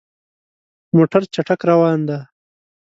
موټر چټک روان دی.